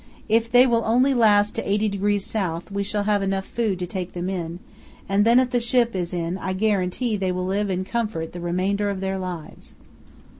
"If they will only last to 80° S. we shall then have enough food to take them in, and then if the ship is in I guarantee they will live in comfort the remainder of their lives."